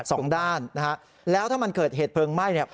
สองด้านแล้วถ้ามันเกิดเหตุเพลิงไหม้